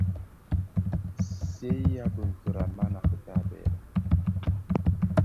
Sèghi a biňkira, mana kitabè.